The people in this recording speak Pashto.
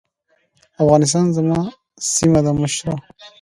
افغانستان زما سيمه ده مشره.